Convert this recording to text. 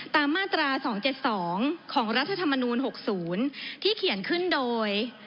ตามมาตรา๒๗๒ของรัฐธรรมนูล๖๐ที่เขียนขึ้นโดย